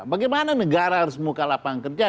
bagaimana negara harus membuka lapangan kerja